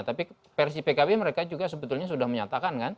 tapi versi pkb mereka juga sebetulnya sudah menyatakan kan